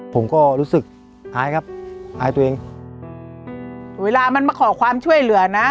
ผมก็รู้สึกอายครับอายตัวเองเวลามันมาขอความช่วยเหลือนะ